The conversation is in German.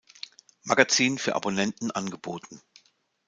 Magazin für Abonnenten angeboten.